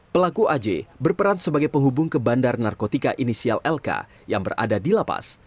pelaku aj berperan sebagai penghubung ke bandar narkotika inisial lk yang berada di lapas